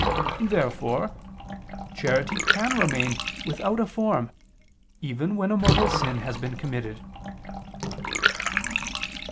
Therefore charity can remain without a form, even when a mortal sin has been committed.